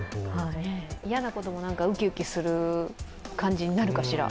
嫌なこともウキウキする感じになるかしら。